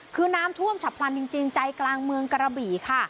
คือน้ำท่วมฉับพลันจริงใจกลางเมืองกระบี่ค่ะ